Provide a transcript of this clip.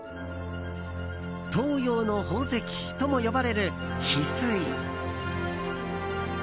東洋の宝石とも呼ばれるヒスイ。